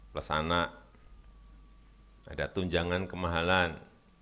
plus anak ada tunjangan kemahalan